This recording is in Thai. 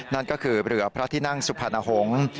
นั่นก็คือเรือพระที่นั่งสุพรรณหงษ์